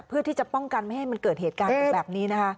เพื่อที่จะป้องกันไม่ให้มันเกิดเหตุการณ์แบบนี้นะคะ